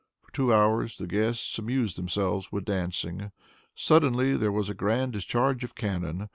For two hours the guests amused themselves with dancing. Suddenly there was a grand discharge of cannon.